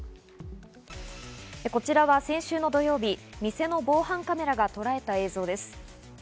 こちらは先週土曜日、店の防犯カメラがとらえた映像です。